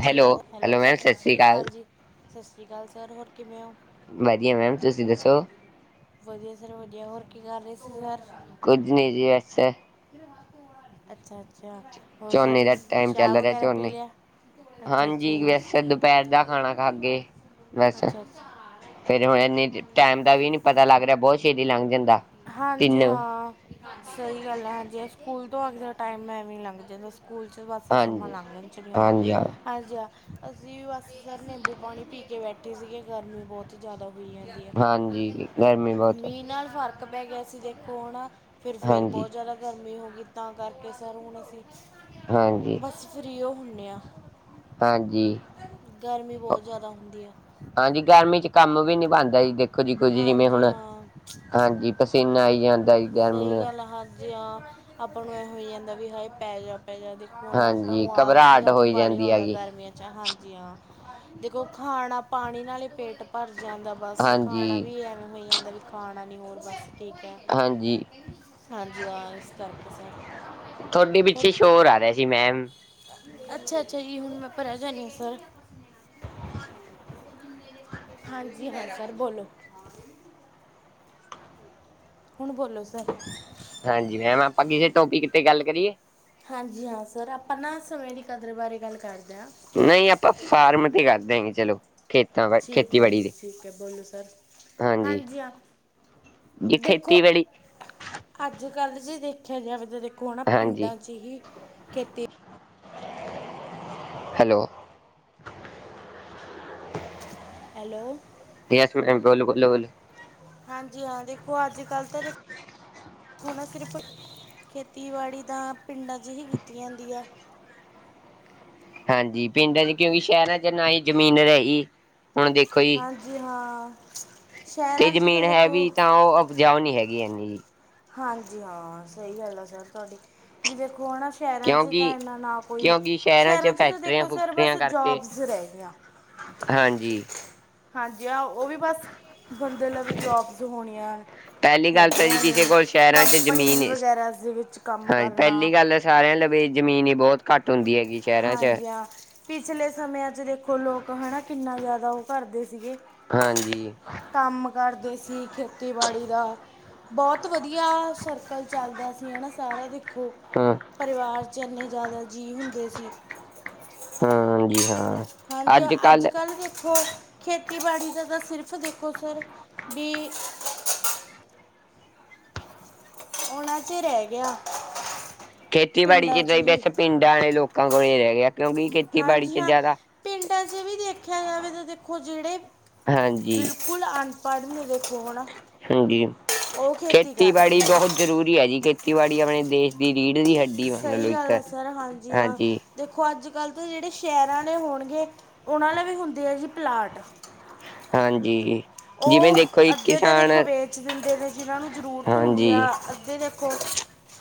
Hello hello sir ma'am ਸਤਿ ਸ਼੍ਰੀ ਅਕਾਲ ਸਸ੍ਰੀਕਾਲ ਜੀ ਸਸ੍ਰੀਕਾਲ ਸਰ ਹੋਰ ਕਿਵੇਂ ਓ ਵਧੀਆ ਮੈਮ ਤੁਸੀਂ ਦੱਸੋ ਵਧੀਆ ਸਰ ਵਧੀਆ ਹੋਰ ਕੀ ਕਰ ਰਹੇ ਸੀ ਸਰ ਕੁੱਝ ਨਹੀਂ ਜੀ ਵੈਸੇ [unintelligible] ਅੱਛਾ ਅੱਛਾ ਹੋਰ ਝੋਨੇ ਸਰ ਦਾ ਟਾਈਮ ਚੱਲ ਚਾਹ ਰਿਹਾ ਵਗੈਰਾ ਪੀ ਝੋਨੇ ਲਿਆ ਅੱਛਾ ਅੱਛਾ ਹਾਂਜੀ ਜੀ ਵੈਸੇ ਦੁਪਹਿਰ ਦਾ ਖਾਣਾ ਖਾਕੇ ਬਸ ਅੱਛਾ ਅੱਛਾ ਫੇਰ ਹੁਣ ਇਨੀ ਟਾਈਮ ਦਾ ਵੀ ਨੀ ਪਤਾ ਲੱਗ ਰਿਹਾ ਬਹੁਤ ਛੇਤੀ ਲੰਘ ਜਾਂਦਾ ਹਾਂਜੀ ਤਿੰਨ ਹਾਂ ਸਹੀ ਗੱਲ ਆ ਹਾਂਜੀ ਸਕੂਲ ਤੋਂ ਆਉਂਦਿਆਂ ਟਾਇਮ ਐਵੀਂ ਲੰਘ ਜਾਂ ਸਕੂਲ 'ਚ ਬਸ ਸਮਾਂ ਹਾਂਜੀ ਲੰਘਣ ਚ ਨੀ ਆਉਂਦਾ ਹਾਂਜੀ [unintelligible] ਹਾਂ ਹਾਂਜੀ ਹਾਂ ਅਸੀਂ ਬਸ ਸਰ ਨਿੰਬੂ ਪਾਣੀ ਪੀ ਕੇ ਬੈਠੇ ਸੀਗੇ ਗਰਮੀ ਬਹੁਤ ਜ਼ਿਆਦਾ ਹੋਈ ਜਾਂਦੀ ਹਾਂਜੀ ਗਰਮੀ ਬਹੁਤ ਮੀਂਹ ਨਾਲ ਫ਼ਰ ਕ ਪੈ ਗਿਆ ਸੀ ਦੇਖੋ ਹਨਾ ਫਿਰ ਫੇਰ ਹਾਂਜੀ ਬਹੁਤ ਜ਼ਿਆਦਾ ਗਰਮੀ ਹੋ ਗਈ ਤਾਂ ਕਰਕੇ ਸਰ ਹੁਣ ਅਸੀਂ ਹਾਂਜੀ ਫਰੀਓ ਹੁੰਨੇ ਆ ਹਾਂਜੀ ਗਰਮੀ ਬਹੁਤ ਜ਼ਿਆਦਾ ਹੁੰਦੀ ਆ ਹਾਂਜੀ ਗਰਮੀ ਚ ਕੰਮ ਵੀ ਨੀ ਬਣਦਾ ਜੀ ਦੇਖੋ ਜੀ ਕੁਝ ਜਿਵੇਂ ਹੁਣ ਹਾਂਜੀ ਹਾਂ ਹਾਂਜੀ ਪਸੀਨਾ ਆਈ ਜਾਂਦਾ ਜ ਸਹੀ ਗੱਲ ਆ ਹਾਂਜੀ ਹਾਂ ਆਪਾਂ ਨੂੰ ਐ ਹੋਈ ਜਾਂਦਾ ਵੀ ਹਾਏ ਪੈ ਜਾ ਪੈ ਜਾ ਹੁਣ ਆਪਾਂ ਹਾਂਜੀ ਨੂੰ ਆਲਸ ਜਿਆ ਘਬਰਾਹਟ ਆ ਵੀ ਹੋਈ ਬਾੜੀ ਜਾਂਦੀ ਆਉਂਦਾ ਹੈਗੀ ਗਰਮੀਆਂ ਚ ਹਾਂਜੀ ਹਾਂ ਦੇਖੋ ਖਾਣਾ ਪਾਣੀ ਨਾਲ ਈ ਪੇਟ ਭਰ ਜਾਂਦਾ ਬਸ ਖਾਣਾ ਹਾਂਜੀ, ਵੀ ਐਵੇਂ ਹੋਈ ਜਾਂਦਾ ਵੀ ਖਾਣਾ ਨਹੀਂ ਹੋਰ ਬਸ ਠੀਕ ਐ ਹਾਂਜੀ ਹਾਂਜੀ ਹਾਂ ਇਸ ਕਰਕੇ ਸਰ ਤੁਹਾਡੇ ਪਿੱਛੇ ਹੋਰ ਸ਼ੋਰ ਆ ਰਿਹਾ ਸੀ ਮੈਮ ਅੱਛਾ ਅੱਛਾ ਜੀ ਹੁਣ ਮੈਂ ਪਰਾਂ ਜਾਨੀ ਸਰ ਹਾਂਜੀ ਹਾਂ ਸਰ ਬੋਲੋ [inaudible] ਹੁਣ ਬੋਲੋ ਸਰ ਹਾਂਜੀ ਮੈਮ ਆਪਾਂ ਕਿਸੇ ਟੋਪੀਕ ਤੇ ਗੱਲ ਕਰੀਏ ਹਾਂਜੀ ਹਾਂ ਸਰ ਆਪਾਂ ਨਾ ਸਮੇਂ ਦੀ ਕਦਰ ਬਾਰੇ ਗੱਲ ਕਰਦੇ ਆਂ ਨਹੀਂ ਆਪਾਂ ਫਾਰਮ ਤੇ ਕਰ ਦਿਆਂਗੇ ਚੱਲੋ ਠੀਕ ਐ ਜੀ ਠੀਕ ਐ ਬੋਲੋ ਸਰ ਹਾਂਜੀ ਹਾਂ ਜੀ ਦੇਖੋ ਖੇਤੀਬਾੜੀ ਅੱਜ ਕੱਲ੍ਹ ਜੇ ਦੇਖਿਆ ਜਾਵੇ ਤਾਂ ਦੇਖੋ ਹਨਾ ਹਾਂਜੀ ਪਿੰਡਾਂ ਚ ਹੀ ਖੇਤੀ ਹੈਲੋ ਹੈਲੋ [unintelligible] ਹਾਂਜੀ ਹਾਂ ਦੇਖੋ ਅੱਜ ਕੱਲ੍ਹ ਤਾਂ ਦੇਖ ਖੋ ਨਾ ਸਿਰਫ਼ ਖੇਤੀਬਾੜੀ ਤਾਂ ਪਿੰਡਾਂ ਚ ਹੀ ਕੀਤੀ ਜਾਂਦੀ ਆ ਹਾਂਜੀ ਪਿੰਡਾਂ ਚ ਕਿਉਂਕਿ ਸ਼ਹਿਰਾਂ ਚ ਨਾ ਹੀ ਜ਼ਮੀਨ ਰਹੀ ਹੁਣ ਦੇਖੋ ਜੀ, ਹਾਂਜੀ ਹਾਂ ਤੇ ਸ਼ਹਿਰਾਂ 'ਚ ਜ਼ਮੀਨ ਤਾਂ ਹੈ ਦੇਖੋ ਵੀ ਤਾਂ ਉਹ ਊਪਜਾਊ ਨੀਂ ਹੈਗੀ ਏਨੀ ਜੀ ਹਾਂਜੀ ਹਾਂ ਸਹੀ ਗੱਲ ਆ ਸਰ ਤੁਹਾਡੀ ਵੀ ਦੇਖੋ ਹਨਾ ਸ਼ਹਿਰਾਂ ਚ ਤਾਂ ਕਿਉਂਕਿ ਇੰਨਾ ਨਾ ਕੋਈ ਕਿਉਂਕਿ ਸ਼ਹਿਰਾਂ ਚ ਤਾਂ ਫੈਕਟਰੀਆਂ ਦੇਖੋ ਸਰ ਬਸ ਫੁਕਟਰੀਆਂ ਕਰਕੇ ਜੋਬਜ ਰਹਿ ਗਈਆਂ ਹਾਂਜੀ ਹਾਂਜੀ ਆ ਉਹ ਵੀ ਬਸ ਬੰਦੇ ਲਵੇ ਜੋਬਸ ਹੋਣੀਆਂ ਪਹਿਲੀ ਗੱਲ ਤਾਂ ਜੀ ਹੈਗੀਆਂ ਨੇ ਕਿਸੇ ਕੋਲ ਸ਼ਹਿਰਾਂ ਚ ਕੰਪਨੀਜ਼ ਜ਼ਮੀਨ ਵਗੈਰਾ ਦੇ ਵਿੱਚ ਕੰਮ ਹਾਂਜੀ ਕਰਨਾ ਪਹਿਲੀ ਗੱਲ ਸਾਰਿਆਂ ਲਵੇ ਜ਼ਮੀਨ ਹੀ ਬਹੁਤ ਘੱਟ ਹੁੰਦੀ ਏ ਹਾਂਜੀ, ਹਾਂ ਪਿਛਲੇ ਸਮਿਆਂ ਚ ਦੇਖੋ ਲੋਕ ਹਨਾ ਕਿੰਨਾ ਜਿਆਦਾ ਉਹ ਕਰਦੇ ਸੀਗੇ ਹਾਂਜੀ ਕੰਮ ਕਰਦੇ ਸੀ ਖੇਤੀਬਾੜੀ ਦਾ ਬਹੁਤ ਵਧੀਆ ਸਰਕਲ ਚੱਲਦਾ ਸੀ ਹਨਾ ਸਾਰਾ ਦੇਖੋ। ਹੂੰ ਪਰਿਵਾਰ ਚ ਇੰਨੇ ਜਿਆਦਾ ਜੀਅ ਹੁੰਦੇ ਸੀ ਹਾਂਜੀ, ਹਾਂ ਹਾਂਜੀ ਅੱਜ ਕੱਲ੍ਹ ਦੇਖੋ ਖੇਤੀਬਾੜੀ ਦਾ ਤਾਂ ਸਿਰਫ ਦੇਖੋ ਸਰ, ਵੀ ਓਨਾਂ ਚ ਰਹਿ ਗਿਆ। ਖੇਤੀਬਾੜੀ ਪਿੰਡਾਂ ਚ ਤਾਂ ਜੀ ਹੀ ਬੈਸ ਪਿੰਡਾਂ ਆਲੇ ਲੋਕਾਂ ਕੋਲੇ ਰਹਿ ਗਿਆ ਕਿਉਂਕਿ ਖੇਤੀਬਾੜੀ ਹਾਂਜੀ 'ਚ ਹਾਂ ਜ਼ਿਆਦਾ ਪਿੰਡਾਂ ਚ ਵੀ ਦੇਖਿਆ ਜਾਵੇ ਤਾਂ ਦੇਖੋ ਜਿਹੜੇ ਹਾਂਜੀ ਬਿਲਕੁਲ ਅਨਪੜ੍ਹ ਨੇ ਵੇਖੋ ਹਨਾ ਹਾਂਜੀ ਉਹ ਖੇਤੀ ਕਰਦੇ ਖੇਤੀਬਾੜੀ ਨੇ ਬਹੁਤ ਜ਼ਰੂਰੀ ਏ ਜੀ ਖੇਤੀਬਾੜੀ ਆਪਣੇ ਦੇਸ਼ ਦੀ ਰੀੜ ਦੀ ਹੱਡੀ ਮੰਨ ਲਓ ਸਹੀ ਇੱਕ, ਗੱਲ ਆ ਸਰ ਹਾਂ ਹਾਂਜੀ ਦੇਖੋ ਅੱਜ ਕੱਲ੍ਹ ਤਾਂ ਜਿਹੜੇ ਸ਼ਹਿਰਾਂ ਆਲੇ ਹੋਣਗੇ ਉਹਨਾਂ ਲਵੇ ਹੁੰਦੇ ਆ ਜੀ ਪਲਾਟ ਹਾਂਜੀ ਜਿਵੇਂ ਉਹ ਦੇਖੋ ਜੀ ਅੱਧੇ ਤਾਂ ਕਿਸਾਨ ਦੇਖੋ ਵੇਚ ਦਿੰਦੇ ਨੇ ਜਿਨਾਂ ਨੂੰ ਜ਼ਰੂਰਤ ਹੁੰਦੀ ਹਾਂਜੀ ਆ ਅੱਧੇ ਦੇਖੋ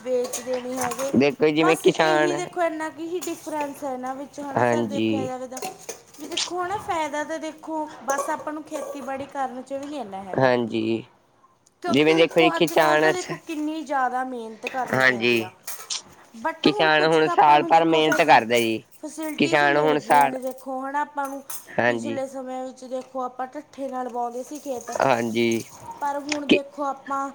ਵੇਚਦੇ ਨੀ ਹੈਗੇ ਦੇਖੋ ਜੀ ਜਿਵੇਂ ਬਸ ਕਿਸਾਨ ਏਹੀ ਦੇਖੋ ਇਨਾ ਕ ਕ ਹੀ ਡਿਫਰੈਂਸ ਐ ਇਨਾਂ ਵਿੱਚ ਹਨਾ ਸਰ ਦੇਖਿਆ ਹਾਂਜੀ ਜਾਵੇ ਤਾਂ ਵੀ ਦੇਖੋ ਹਨਾ ਫੈਦਾ ਤਾਂ ਦੇਖੋ ਬਸ ਆਪਾਂ ਨੂੰ ਖੇਤੀਬਾੜੀ ਕਰਨ ਚ ਵੀ ਨੀ ਐਨਾ ਹਾਂਜੀ ਕਿਉਂਕਿ ਜਿਵੇਂ ਜੀ ਦੇਖੋ ਅੱਜ ਕੱਲ ਤਾਂ ਕਿਸਾਨ ਸ ਦੇਖੋ ਕਿੰਨੀ ਜਿਆਦਾ ਮੇਨਤ ਕਰਨੀ ਪੈਂਦੀ ਹਾਂਜੀ, ਆ ਬਟ ਹੁਣ ਕਿਸਾਨ ਕੁਝ ਕ ਆਪਾਂ ਸਾਲ ਨੂੰ ਭਰ ਦੇਖੋ ਫ ਮਿਹਨਤ ਕਰਦਾ ਜੀ। ਫੈਸੀਲਿਟੀਜ਼ ਕਿਸਾਨ ਮਿਲ ਹੁਣ ਗਈਆਂ ਸਾਲ ਨੇ ਦੇਖੋ ਹਨਾ ਆਪਾਂ ਨੂੰ ਹਾਂਜੀ, ਪਿਛਲੇ ਸਮਿਆਂ ਵਿੱਚ ਦੇਖੋ ਆਪਾਂ ਢੱਠੇ ਨਾਲ ਬਾਂਉਦੇ ਸੀ ਖੇਤ ਹਾਂਜੀ ਪਰ ਹੁਣ ਕਿ ਦੇਖੋ ਆਪਾਂ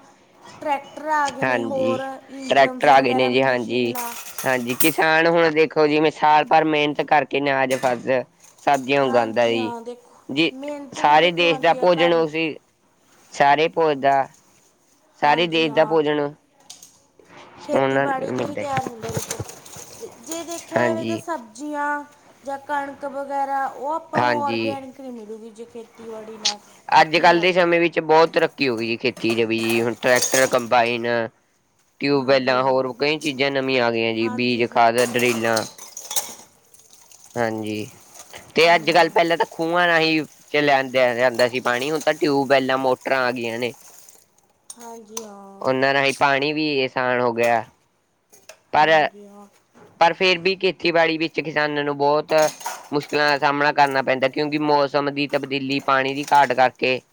ਟਰੈਕਟਰ ਆ ਗਏ ਨੇ ਹੋਰ ਹਾਂਜੀ। ਟਰੈਕਟਰ ਇੰਜਨਸ ਆ ਗਏ ਵਗੈਰਾ ਨੇ ਜੀ ਹਾਂਜੀ। ਮਸ਼ੀਨਾਂ ਹਾਂਜੀ ਕਿਸਾਨ ਹੁਣ ਦੇਖੋ ਜਿਵੇਂ ਸਾਲ ਭਰ ਮੇਹਨਤ ਕਰਕੇ ਅਨਾਜ ਫਸ ਸਬਜ਼ੀਆਂ ਉਗਾਂਦਾ ਹਾਂਜੀ ਜੀ ਹਾਂ ਦੇਖੋ ਜੇ ਮਿਹਨਤ ਤੇ ਸਾਰੇ ਦੇਖੋ ਦੇਸ਼ ਦਾ ਹਾਂਜੀ ਆ ਭੋਜਨ ਕਰਨ ਉਸ ਸਾਰੇ ਭੋਜ ਦਾ, ਸਾਰੇ ਹਾਂਜੀ ਦੇਸ਼ ਦਾ ਹਾਂ ਭੋਜਨ, ਉਹਨਾਂ ਖੇਤੀਬਾੜੀ ਨੂੰ ਤੋਂ ਹੀ ਮਿਲਦਾ ਤਿਆਰ ਹੁੰਦਾ ਵਿੱਚ। ਜੇ ਦੇਖਿਆ ਜਾਵੇ ਤਾਂ ਹਾਂਜੀ, ਸਬਜ਼ੀਆਂ ਜਾ ਕਣਕ ਵਗੈਰਾ ਉਹ ਆ ਆਪਾਂ ਨੂੰ ਹਾਂਜੀ। ਔਰਗੈਨਿਕ ਨੀ ਮਿਲੋਗੀ ਜੇ ਖੇਤੀਬਾੜੀ ਨਾ ਅੱਜ ਕੀਤੀ ਕੱਲ੍ਹ ਜਾਵੇ। ਦੇ ਸਮੇਂ ਵਿੱਚ ਬਹੁਤ ਕੀ ਹੋ ਗਈ ਖੇਤੀ ਚ ਵੀ ਹੁਣ ਟਰੈਕਟਰ ਕੰਬਾਈਨ, ਹਾਂਜੀ ਟਿਊਬਵੈਲਾਂ ਹਾਂ ਹੋਰ ਕਈ ਚੀਜ਼ਾਂ ਨਵੀਆ ਆ ਗਈਆ ਜੀ ਹਾਂਜੀ ਬੀਜ ਖਾਦ ਸਰ ਡਰਿਲਾਂ, ਹਾਂਜੀ, ਤੇ ਅੱਜ-ਕੱਲ ਪਹਿਲਾ ਤਾਂ ਖੂਹਾ ਰਾਹੀ ਚਲਿਆ ਜਾਂਦਾ ਸੀ ਪਾਣੀ ਹੁਣ ਤਾਂ ਟਿਊਬਵੈਲਾਂ ਮੋਟਰਾਂ ਆ ਗਈਆ ਨੇ। ਹਾਂਜੀ ਹਾਂ। ਉਹਨਾਂ ਰਾਹੀਂ ਪਾਣੀ ਵੀ ਅਸਾਨ ਹੋ ਗਿਆ। ਪਰ ਹਾਂਜੀ ਹਾਂ। ਪਰ ਫੇਰ ਵੀ ਖੇਤੀਬਾੜੀ ਵਿੱਚ ਕਿਸਾਨਾਂ ਨੂੰ ਬਹੁਤ, ਮੁਸ਼ਕਿਲਾਂ ਦਾ ਸਾਹਮਣਾ ਕਰਨਾ ਪੈਂਦਾ ਕਿਉਂਕਿ ਮੌਸਮ ਦੀ ਤਬਦੀਲੀ ਪਾਣੀ ਦੀ ਘਾਟ ਕਰਕੇ, [inaudible]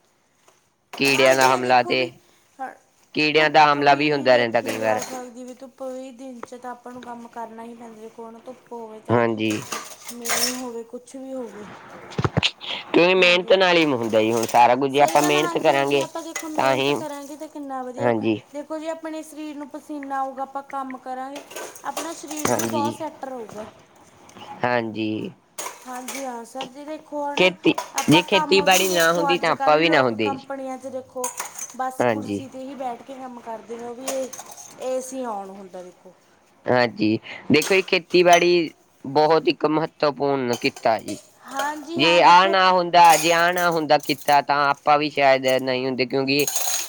ਕੀੜਿਆਂ ਹਾਜੀ ਦਾ ਐ ਹਮਲਾ ਦੇਖੋ ਬਈ, ਤੇ ਹ ਕੀੜਿਆਂ ਦਾ ਧੁੱਪ ਹਮਲਾ ਵੀ ਨੀ ਹੁੰਦਾ ਰਹਿੰਦਾ ਦੇਖੀ ਕਈ ਜਾ ਵਾਰ ਸਕਦੀ ਵੀ ਧੁੱਪ ਕੋਈ ਦਿਨ ਚ ਤਾਂ ਆਪਾਂ ਨੂੰ ਕੰਮ ਕਰਨਾ ਹੀ ਪੈਂਦਾ ਦੇਖੋ ਹੁਣ ਧੁੱਪ ਹੋਵੇ ਚਾਹੇ। ਹਾਂਜੀ ਮੀਂਹ ਵੀ ਹੋਵੇ ਕੁਛ ਵੀ ਹੋਵੇ। [inaudible] ਕਿ ਮਿਹਨਤ ਹਾਂਜੀ ਹਾਂ ਨਾਲ ਹੀ ਹੁੰਦਾ ਜੀ ਹੁਣ ਸਾਰਾ ਕੁੱਝ ਜੇ ਆਪਾਂ ਸਹੀ ਗੱਲ ਆ, ਮਿਹਨਤ ਹਾਂਜੀ ਹਾਂਜੀ ਕਰਾਂਗੇ, ਆਪਾਂ ਦੇਖੋ ਤਾਂ ਮਿਹਨਤ ਹੀ ਕਰਾਂਗੇ ਤਾਂ ਕਿੰਨਾ ਵਧੀਆ, ਹਾਂਜੀ, ਦੇਖੋ ਜੀ ਆਪਣੇ ਸਰੀਰ ਨੂੰ ਪਸੀਨਾ ਆਊਗਾ ਆਪਾਂ ਕੰਮ ਕਰਾਂਗੇ ਆਪਣਾ ਸਰੀਰ ਵੀ ਬਹੁ ਹਾਂਜੀ, ਸੈਟ ਰਹੁਗਾ। ਹਾਂਜੀ ਹਾਂਜੀ ਹਾਂ, ਸਰ ਜੀ ਦੇਖੋ ਹਨਾ, ਖੇਤੀ ਆਪਾਂ ਜੇ ਕੰਮ ਵੀ ਖੇਤੀਬਾੜੀ ਨਾ ਦੇਖੋ ਹੁੰਦੀ ਤਾਂ ਆਪਾਂ ਅੱਜ-ਕੱਲ ਵੀ ਨਾ ਲੋਕ ਕੰਮ ਹੁੰਦੇ ਜੀ। ਕੰਪਨੀਆਂ ਚ ਦੇਖੋ, ਬਸ ਹਾਂਜੀ, ਕੁਰਸੀ ਤੇ ਹੀ ਬੈਠ ਕੇ ਬੈਠਕੇ ਕੰਮ ਕਰਦੇ ਨੇ ਉਹ ਵੀ ਏ, ਏਸੀ ਔਨ ਹੁੰਦਾ ਦੇਖੋ। ਹਾਂਜੀ, ਦੇਖੋ ਜੀ ਖੇਤੀਬਾੜੀ, ਬਹੁਤ ਇੱਕ ਮਹੱਤਵਪੂਰਨ ਕਿਤਾ ਕਿੱਤਾ ਆ ਜੀ, ਹਾਂਜੀ ਹਾਂ ਜੇ ਆ ਦੇਖੋ ਨਾ ਹੁੰਦਾ ਤਾ ਜੇ ਆ ਨਾ ਹੁੰਦਾ ਕਿੱਤਾ ਤਾਂ ਆਪਾਂ ਵੀ ਸ਼ਾਇਦ ਨਹੀ ਹੁੰਦੇ ਕਿਉਂਕਿ,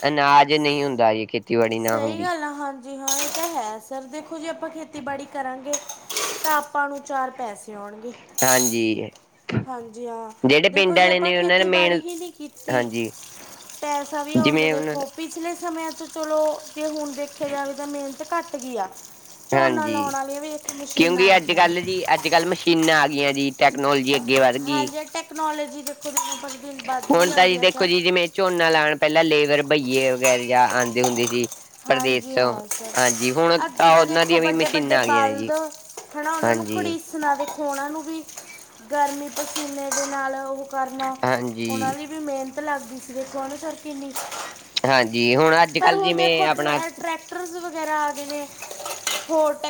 ਅਨਾਜ ਨਹੀਂ ਹੁੰਦਾ ਜੀ ਖੇ ਸਹੀ ਗੱਲ ਆ ਹਾਂਜੀ ਹਾਂ ਇਹ ਤਾਂ ਹੈ ਸਰ ਦੇਖੋ ਜੀ ਆਪਾਂ ਖੇਤੀਬਾੜੀ ਕਰਾਂਗੇ, ਤਾਂ ਆਪਾਂ ਨੂੰ ਚਾਰ ਪੈਸੇ ਆਉਣਗੇ। ਹਾਂਜੀ। ਹਾਂਜੀ ਹਾਂ, ਜਿਹੜੇ ਦੇਖੋ ਪਿੰਡ ਜੀ ਆਲੇ ਆਪਾਂ ਨੇ ਉਹਨਾਂ ਨੇ ਖੇਤੀਬਾੜੀ ਮੇਨ ਹੀ ਨਹੀ ਕੀਤੀ, ਹਾਂਜੀ ਪੈਸਾ ਵੀ ਆਉਦਾ ਜਿਵੇਂ ਉਹਨਾਂ ਦੇਖੋ। ਦਾ ਪਿਛਲੇ ਸਮਿਆ ਤੋਂ ਚਲੋ ਜੇ ਹੁਣ ਦੇਖਿਆ ਜਾਵੇ ਤਾਂ ਮਿਹਨਤ ਘੱਟ ਗਈ ਆ। ਝੋਨਾ ਲਾਉਣ ਹਾਂਜੀ ਆਲੀਆਂ ਵੀ ਵੇਖੋ ਮਸ਼ੀਨਾਂ ਆ ਗਈਆ ਨੇ। ਅੱਜ-ਕੱਲ ਮਸ਼ੀਨਾਂ ਆ ਗਈਆਂ ਜੀ ਟੈਕਨੋਜੀ ਅੱਗੇ ਵੱਧ ਗਈ। ਹਾਂਜੀ ਟੈਕਨੋਲੋਜੀ ਦੇਖੋ [unintelligible] ਹੁਣ ਤਾਂ ਜੀ ਜਾਂਦੀ ਆ ਦੇਖੋ ਸਰ ਜੀ ਜਿਵੇਂ ਝੋਨਾ ਲਾਣਾ ਪਹਿਲਾਂ ਲੇਬਰ ਬਈਏ ਵਗੈਰਾ ਜਾਂ ਆਦੇ ਹੁੰਦੇ ਸੀ। ਹਾਂਜੀ ਪ੍ਰਦੇਸੋਂ ਹਾਂ ਹਾਂਜੀ ਹੁਣ ਸਰ ਅੱਗੇ ਤਾਂ ਉਹਨਾਂ ਦੇਖੋ ਦੀਆਂ ਵੀ ਵੱਡੇ-ਵੱਡੇ ਮਸ਼ੀਨਾਂ ਆ ਗਈਆਂ ਨੇ ਜੀ ਬਲਦ, ਹਨਾ ਉਹਨਾਂ ਨੂੰ ਹਾਂਜੀ। ਕੜੀਸਣਾ ਦੇਖੋ ਉਹਨਾ ਨੂੰ ਵੀ ਗਰਮੀ ਪਸੀਨੇ ਦੇ ਨਾਲ ਉਹ ਕਰਨਾ ਓਹਨਾਂ ਹਾਂਜੀ ਦੀ ਵੀ ਮਿਹਨਤ ਲੱਗਦੀ ਸੀ ਦੇਖੋ ਹਨਾ ਸਰ ਕਿੰਨੀ, ਹਾਂਜੀ ਹੁਣ ਪਰ ਅੱਜ-ਕੱਲ ਹੁਣ ਦੇਖੋ ਜਿਵੇਂ ਆਪਣਾ, ਟਰੈਕਟਰਸ ਵਗੈਰਾ ਆ ਗਏ ਨੇ ਹੋਰ ਟ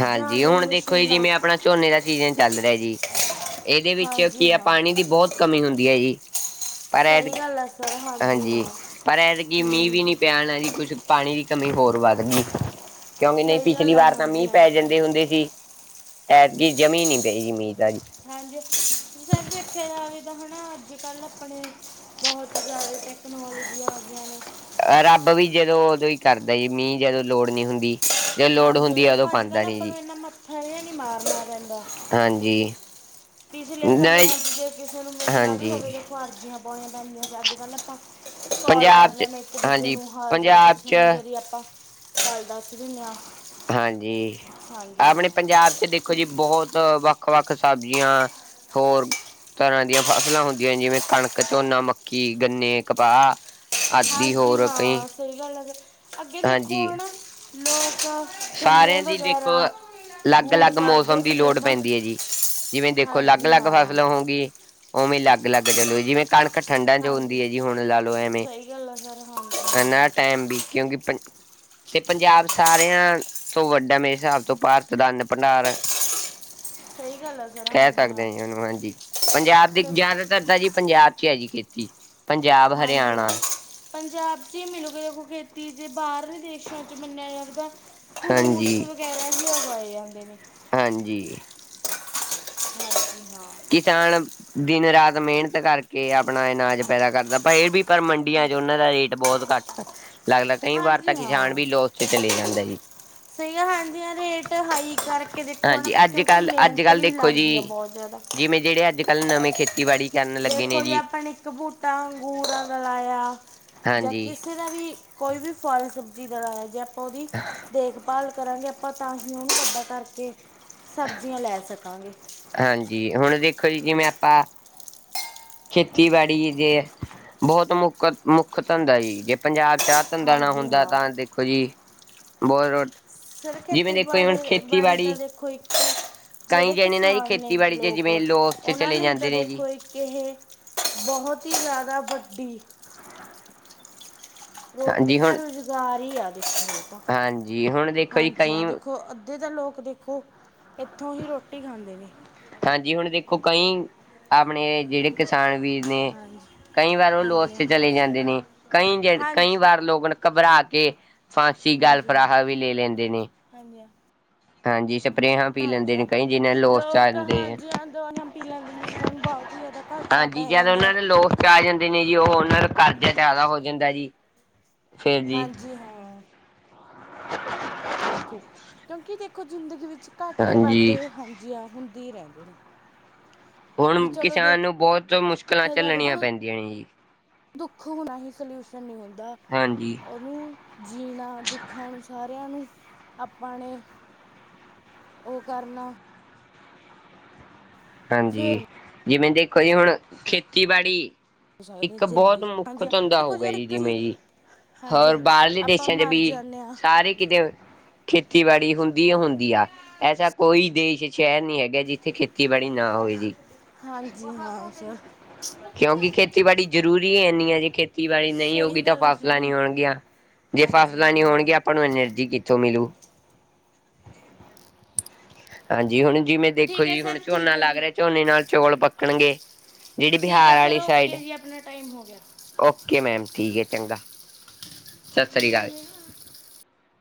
ਹਾਂਜੀ ਹੁਣ ਦੇਖੋ ਜੀ ਜਿਵੇਂ ਅਪਨਾ ਝੋਨੇ ਦਾ ਸੀਜਨ ਚੱਲ ਰਿਹਾ ਜੀ ਇਹਦੇ ਵਿੱਚ ਹਾਂਜੀ ਕੀ ਆ ਹਾਂ ਪਾਨੀ ਦੀ ਬਹੁਤ ਕਮੀ ਹੁੰਦੀ ਏ ਜੀ ਪਰ ਐ ਸਹੀ ਗੱਲ ਹੈ ਸਰ ਹਾਂ ਹਾਂਜੀ, ਪਰ ਐਤਕੀ ਮੀਂਹ ਹਮ, ਵੀ ਨੀ ਪਿਆ ਨਾ ਜੀ ਕੁਛ ਪਾਣੀ ਦੀ ਕਮੀ ਹੋਰ ਵੱਧ ਗਈ ਏ ਕਿਉਂਕਿ ਨਹੀਂ ਸਹੀ ਪਿਛਲੀ ਗੱਲ ਹੈ ਵਾਰ ਤਾਂ ਹਾਂਜੀ ਮੀਂਹ ਹਾਂ ਸਰ ਪੈਂਦੇ ਹੁੰਦੇ ਸੀ ਐਤਕੀ ਜਮਾ ਈ ਨੀ ਪਈ ਜੀ ਮੀਹ ਤਾਂ ਜੀ ਹਾਂਜੀ ਸਰ ਦੇਖਿਆ ਜਾਵੇ ਤਾਂ ਹੈਨਾ ਅੱਜ ਕੱਲ ਅਪਨੇ ਬਹੁਤ ਜ਼ਿਆਦੇ ਟੈਕਨੋਲੋਜੀਆਂ ਆ ਗਈਆਂ ਨੇ ਰੱਬ ਵੀ ਜਦੋਂ ਉਦੋਂ ਹੀ ਕਰਦਾ ਜੀ ਮੀਂਹ ਜਦੋਂ ਲੋੜ ਨੀ ਹੁੰਦੀ ਜਦੋਂ ਲੋੜ ਹਾਂਜੀ ਹੁੰਦੀ ਆ ਹਾਂਜੀ ਉਦੋਂ ਅੱਜ ਕੱਲ ਪਾਉਂਦਾ ਨੀ ਆਪਾਂ ਜੀ ਨੂੰ ਇਨਾ ਮੱਥਾ ਜੇਹਾ ਨੀ ਮਾਰਨਾ ਪੈਂਦਾ ਹਾਂਜੀ ਪਿਛਲੇ ਨਹੀਂ ਸਮਿਆਂ ਜੇ ਕਿਸੇ ਨੂੰ ਮਿਲਣਾ ਵੀ ਹੋਵੇ ਹਾਂਜੀ ਦੇਖੋ ਅਰਜ਼ੀਆਂ ਪਾਉਣੀਆਂ ਪੈਂਦੀਆਂ ਤੇ ਅੱਜ ਕੱਲ੍ਹ ਆਪਾਂ ਕੋਲ ਪੰਜਾਬ ਕਰ ਚ ਲੈਂਦੇ ਇੱਕ ਦੂਜੇ ਹਾਂਜੀ ਨੂੰ ਹਾਲ ਚਾਲ ਪੰਜਾਬ ਚ ਪੁੱਛਣ ਜਰੀਏ ਆਪਾਂ ਚਲ ਦਸ ਦੀਨੇ ਆ ਹਾਂਜੀ ਆਪਣੇ ਪੰਜਾਬ ਚ ਦੇਖੋ ਦੇਖੋ ਜੀ ਬਹੁਤ ਵੱਖ-ਵੱਖ ਸਬਜ਼ੀਆਂ, ਹੋਰ ਤਰ੍ਹਾਂ ਦੀਆਂ ਫ਼ਸਲਾਂ ਹੁੰਦੀਆਂ ਜਿਵੇਂ ਕਣਕ, ਝੋਨਾ, ਮੱਕੀ, ਗੰਨੇ, ਕਪਾਹ ਆਦਿ, ਹਾਂਜੀ ਹੋਰ ਕਈ। ਹਾਂ ਸਹੀ ਗੱਲ ਹੈ ਨਾ ਅੱਗੇ ਦੇਖੋ ਹਾਂਜੀ ਹੈਨਾ ਲੋਕ ਗੰਨੇ ਸਾਰਿਆਂ ਦੀ ਦੇਖੋ ਵਗੈਰਾ ਗੂੜ ਅਲੱਗ-ਅਲੱਗ ਕੱਢਦੇ ਮੌਸਮ ਦੀ ਸੀ ਉਹ ਲੋੜ ਤੋਂ ਪੈਂਦੀ ਐ ਜੀ। ਜਿਵੇਂ ਦੇਖੋ ਹਾਂਜੀ ਲੱਗ-ਲੱਗ ਹਾਂ ਫਸਲ ਹੋਗੀ ਉਵੇਂ ਲੱਗ-ਲੱਗ ਚੱਲੋ ਜਿਵੇਂ, ਕਣਕ। ਠੰਡਾਂ 'ਚ ਹੁੰਦੀ ਹਾਂਜੀ ਹੈ ਜੀ ਹੁਣ ਲਾ ਲਓ ਐਵੇਂ, ਸਹੀ ਗੱਲ ਹੈ ਸਰ ਹਾਂਜੀ ਨਾ ਹਾਂ। ਟਾਈਮ ਵੀ ਕਿਉਂਕਿ ਪ ਪੰਜਾਬ ਸਾਰਿਆਂ ਤੋਂ ਵੱਡਾ ਮੇਰੇ ਹਿਸਾਬ ਤੋਂ ਭਾਰਤ ਦਾ ਅੰਨ ਭੰਡਾਰ। ਸਹੀ ਗੱਲ ਹੈ ਸਰ ਕਹਿ ਹਾਂਜੀ ਸਕਦੇ ਆ ਹਾਂ ਜੀ ਉਹਨੂੰ ਹਾਂਜੀ, ਪੰਜਾਬ ਦੀ ਦੇਖੋ ਜਾਆਦਾ। ਦਾ ਜੀ ਪੰਜਾਬ 'ਚ ਹੈ ਜੀ ਖੇਤੀ। ਪੰਜਾਬ, ਹਾਂਜੀ ਹਾਂ, ਹਰਿਆਣਾ ਪੰਜਾਬ ਚ ਹੀ ਮਿਲੂਗੀ ਦੇਖੋ ਖੇਤੀ ਜੇ ਬਾਹਰ। ਦੇਸ਼ਾ 'ਚ ਮੰਨਿਆ ਜਾਵੇ ਤਾ ਫਰੂਟਸ ਵਗੈਰਾ ਹੀ ਉਗਾਏ ਜਾਂਦੇ ਨੇ। ਹਾਂਜੀ। ਹਾਂਜੀ ਹਾਂ। ਕਿਸਾਨ ਦਿਨ ਰਾਤ ਮਿਹਨਤ ਕਰਕੇ ਆਪਣਾ ਅਨਾਜ ਪੈਦਾ ਕਰਦਾ ਪਰ ਇਹ ਵੀ ਪਰ ਮੰਡੀਆਂ ਹਾਂ- 'ਚ ਉਹਨਾਂ ਦਾ ਰੇਟ ਬਹੁਤ ਘੱਟ ਲੱਗਦਾ ਕਈ ਵਾਰ ਤਾਂ ਹਾਂਜੀ ਕਿਸਾਨ ਹਾਂ ਵੀ ਲੋਸ 'ਚ ਚਲੇ ਜਾਂਦਾ ਜੀ। ਸਹੀ ਆ ਹਾਂਜੀ ਹਾਂ, ਰੇਟ ਹਾਈ ਕਰਕੇ ਦੇਖੋ ਹੈਨਾ ਹਾਂਜੀ ਅੱਜ ਕਿਉਂਕਿ ਕੱਲ ਅੱਜ ਮਿਹਨਤ ਕੱਲ ਵੀ ਦੇਖੋ ਲੱਗਦੀ ਆ ਜੀ ਬਹੁਤ ਜ਼ਿਆਦਾ। ਜਿਵੇਂ ਜਿਹੜੇ ਅੱਜ ਕੱਲ੍ਹ ਨਵੇਂ ਖੇ ਦੇਖੋ ਜੀ, ਆਪਾਂ ਨੇ ਇੱਕ ਬੂਟਾ ਅੰਗੂਰਾ ਦਾ ਲਾਇਆ ਜਾਂ ਹਾਂਜੀ ਕਿਸੇ ਵੀ ਕੋਈ ਵੀ ਫਲ ਸਬਜ਼ੀ ਦਾ ਲਾਇਆ ਜੇ ਆਪਾਂ ਉਹਦੀ ਦੇਖਭਾਲ ਕਰਾਂਗੇ ਆਪਾਂ ਤਾਂ ਹੀ ਉਹਨੂੰ ਵਡਾ ਕਰਕੇ ਸਬਜ਼ੀਆਂ ਲੈ ਸਕਾਂਗੇ। ਹਾਂਜੀ, ਹੁਣ ਵੇਖੋ ਜੀ ਜਿਵੇਂ ਆਪਾਂ ਖੇਤੀਬਾੜੀ ਦੇ ਬਹੁਤ ਮੁੱਖ ਮੁੱਖ ਧੰਦਾ ਜੀ ਜੇ ਪੰਜਾਬ 'ਚ ਆ ਧੰਦਾ ਨਾ ਹਾਂਜੀ ਹੁੰਦਾ ਹਾਂ ਤਾਂ ਦੇਖੋ ਜੀ ਬਹੁਤ ਰੋ ਸਰ ਜਿਵੇਂ ਦੇਖੋ ਜੀ ਖੇਤੀਬਾੜ ਹੁਣ ਬਾੜੀ ਤਾਂ ਖੇਤੀਬਾੜੀ ਦੇਖੋ ਇੱਕ ਕਈ ਜਿਹੜੇ ਜਣੇ ਨਾ ਜੀ ਕਿਸਾਨ ਨੇ ਖੇਤੀਬਾੜੀ ਚ ਲੋਕ ਜਿਵੇਂ ਲੋਸ ਚ ਉਹਨਾਂ ਚਲੇ ਲਈ ਜਾਂਦੇ ਤਾਂ ਨੇ ਜੀ। ਦੇਖੋ ਇੱਕ ਇਹ ਬਹੁਤ ਹੀ ਜ਼ਿਆਦਾ ਵੱਡੀ ਰੋਟੀ ਹਾਂਜੀ ਦਾ ਹੁਣ ਰੁਜ਼ਗਾਰ ਈ ਐ [unintelligible] ਹਾਂਜੀ ਹੁਣ ਦੇਖੋ ਜੀ ਹਾਂਜੀ ਕਈ ਦੇਖੋ ਅੱਧੇ ਤਾਂ ਲੋਕ ਦੇਖ ਓਹ ਇੱਥੋਂ ਹੀ ਰੋਟੀ ਖਾਂਦੇ ਨੇ। ਹਾਂਜੀ ਹੁਣ ਵੇਖੋ ਕਈ ਆਪਣੇ ਜੇੜੇ ਕਿਸਾਨ ਵੀਰ ਨੇ ਹਾਂਜੀ ਕਈ ਵਾਰ ਉਹ ਲੋਸ ਹਾਂਜੀ 'ਚ ਹਾਂ। ਚਲੇ ਜਾਂਦੇ ਨੇ, ਕਈ ਜ ਹਾਂਜੀ ਕਈ ਵਾਰ ਲੋਗ ਨ ਕਬਰਾ ਕੇ ਫਾਂਸੀ ਜਾਲ ਹਾਂ ਫਰਾਹਾ ਵੀ ਲੇ ਲੇਦੇ ਨੇ। ਹਾਂਜੀ- ਹਾਂਜੀ। ਹਾਂਜੀ। ਸਪਰੇਹਾਂ ਪੀ ਹਾਂਜੀ ਲੇਦੇ ਨੇ ਹਾਂ। ਕਈ ਜਿਨੇ ਲੋਸ'ਚ ਲੋਕ ਆਂਦੇ। ਹਾਂਜੀ ਹਾਂ ਦਵਾਈਆਂ ਪੀ ਲੈਂਦੇ ਨੇ ਜਿਨ੍ਹਾਂ ਨੂੰ ਬਹੁਤ ਹੀ ਜ਼ਿਆਦਾ ਘਾਟਾ ਹਾਂਜੀ। ਪੈ ਜਦ ਜਾਂਦਾ ਉਨਾਂ ਹੈ ਨੇ ਲੋਸ ਚ ਆ ਜਾਂਦੇ ਨੇ ਜੀ ਉਹ ਉਨਾਂ ਨੂੰ ਕਰਜ਼ਾ ਜਾਦਾ ਏ ਜੀ, ਫੇਰ ਜੀ ਹੂੰ- ਹੂੰ। ਏ ਦੇਖੋ, ਕਿਉਂਕਿ ਦੇਖੋ ਜ਼ਿੰਦਗੀ ਵਿੱਚ ਹਾਂਜੀ ਘਾਟੇ-ਵਾਧੇ ਹਾਂਜੀ ਹਾਂ ਹੁੰਦੇ ਈ ਰਹੰਦੇ ਨੇ। ਵੀ ਹੁਣ ਚਲੋ ਕਿਸਾਨ ਨੂੰ ਦੇਖਿਆ ਬਹੁਤ ਮੁਸ਼ਕਲਾਂ ਜਾਵੇ ਝੱਲਣੀਆਂ ਤੁਹਾਨੂੰ ਪੈਂਦੀਆਂ ਨੇ ਜੀ। ਦੁੱਖ ਹੋਣਾ ਹੀ ਸਲਯੂਸ਼ਨ ਨਈ ਹੁੰਦਾ। ਹਾਂਜੀ। ਉਹਨੂੰ ਜੀਣਾ ਦੁੱਖਾਂ ਨੂੰ, ਸਾਰਿਆਂ ਨੂੰ ਆਪਾਂ ਨੇ ਉਹ ਕਰਨਾ। ਫੇਰ ਹਾਂਜੀ, ਹੋ ਜਿਵੇਂ ਦੇਖੋ ਜੀ ਹੁਣ ਖੇਤੀਬਾੜੀ ਸਕਦੇ ਇੱਕ ਜ਼ਿੰਦਗੀ ਬੋਹਤ ਮੁੱਖ ਹਾਂਜੀ ਧੰਦਾ ਦੇਖੋ ਹੋ ਗਆ ਜੀ ਇੱਕ ਚੀਜ਼ ਜਿਵੇਂ ਜੀ। ਹਾਂਜੀ ਹੋਰ ਹਾਂ ਬਾਹਰਲੇ ਆਪਾਂ ਦੇਸਾਂ ਚ ਮਰ ਵੀ ਜਾਂਦੇ ਹਾਂ ਸਾਰੇ ਕਿਦੇ ਖੇਤੀਬਾੜੀ ਹੁੰਦੀ ਅ ਹੁੰਦੀ ਆ ਐਸਾ ਕੋਈ ਦੇਸ਼ ਸ਼ਹਿਰ ਨਹੀਂ ਹੈਗਾ ਜਿੱਥੇ ਖੇਤ ਖੇਤੀਬਾੜੀ ਨਾ ਹੋਏ ਗੀ। ਹਾਂਜੀ- ਹਾਂਜੀ। ਕਿਉਂਕਿ ਖੇਤੀਬਾੜੀ ਜ਼ਰੂਰੀ ਏਨੀ ਐ ਜੇ ਖੇਤੀਬਾੜੀ ਨਹੀਂ ਹੋਊਗੀ ਸਹੀ ਤਾਂ ਗੱਲ ਹੈ ਸਰ ਫਾਸਲਾ ਨੀ ਹੋਣਗੀਆਂ। ਜੇ ਹਾਂਜੀ ਫਾਸਲਾਂ ਨੀ ਹੋਣਗੀਆਂ ਹਾਂ ਆਪਾਂ ਨੂੰ ਐਨਰਜੀ ਕਿੱਥੋਂ ਮਿਲੂ? ਹਾਂਜੀ। ਹੁਣ ਜਿਵੇਂ ਦੇਖੋ ਠੀਕ ਹੈ ਜੀ ਹੁਣ ਸਰ ਠੀਕ ਝੋਨਾ ਹੈ ਲੱਗ ਜੀ ਰਯੈ, ਝੋਨੇ ਨਾਲ ਚੌਲ ਪੱਕਣਗੇ। ਜਿਹੜੀ ਠੀਕ ਏ ਬਿਹਾਰ ਫੇਰ ਵਾਲੀ ਸਾਈਡ ਓਕੇ ਜੀ ਆਪਣਾ ਟਾਈਮ ਹੋ ਗਯੈ। ਓਕੇ ਮੈਮ ਠੀਕ ਏ ਚੰਗਾ, ਸਸ੍ਰੀ ਕਾਲ।